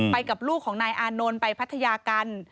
ไปกับลูกของนายอานนท์ไปพัทยากัน